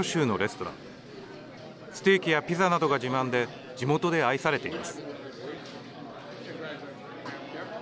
ステーキやピザなどが自慢で地元で愛されています。